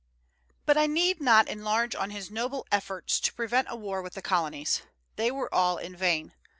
But I need not enlarge on his noble efforts to prevent a war with the colonies. They were all in vain.